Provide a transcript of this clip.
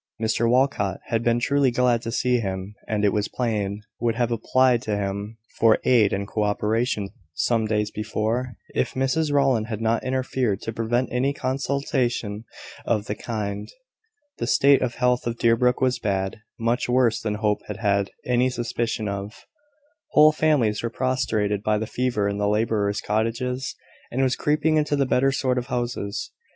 Mr Walcot had been truly glad to see him, and, it was plain, would have applied to him for aid and co operation some days before, if Mrs Rowland had not interfered, to prevent any consultation of the kind. The state of health of Deerbrook was bad, much worse than Hope had had any suspicion of. Whole families were prostrated by the fever in the labourers' cottages, and it was creeping into the better sort of houses.